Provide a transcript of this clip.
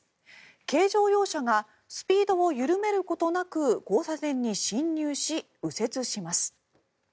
軽乗用車がスピードを緩めることなく交差点に進入し、右折します。